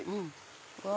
うわ！